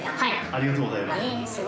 ありがとうございます。